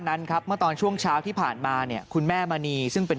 นั้นครับเมื่อตอนช่วงเช้าที่ผ่านมาเนี่ยคุณแม่มณีซึ่งเป็น